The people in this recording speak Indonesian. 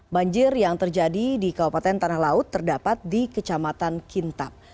banjir yang terjadi di kabupaten tanah laut terdapat di kecamatan kintap